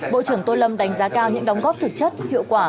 bộ trưởng tô lâm đánh giá cao những đóng góp thực chất hiệu quả